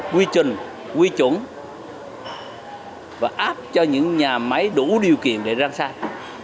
quy chuẩn quy chuẩn và áp cho những nhà máy đủ điều kiện để giang say